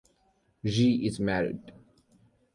Xie is married.